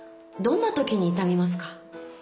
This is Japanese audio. どんなときに痛みますか？